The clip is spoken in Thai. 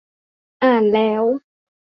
อ่านแล้ว